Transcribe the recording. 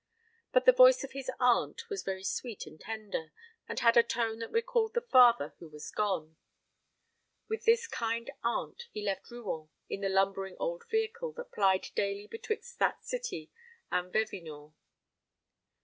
But the voice of his aunt was very sweet and tender, and had a tone that recalled the father who was gone. With this kind aunt he left Rouen in the lumbering old vehicle that plied daily betwixt that city and Vevinord.